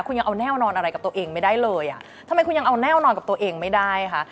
คุณยังเอาแน่นอนอะไรกับตัวเองไม่ได้เลยอ่ะทำไมคุณยังเอาแน่นอนกับตัวเองไม่ได้คะ